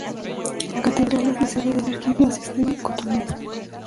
La catedral es la sede de la Arquidiócesis de Cotonú.